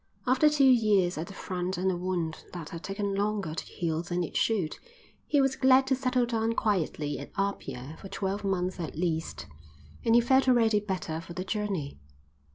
After two years at the front and a wound that had taken longer to heal than it should, he was glad to settle down quietly at Apia for twelve months at least, and he felt already better for the journey.